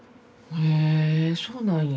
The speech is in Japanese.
へえそうなんや。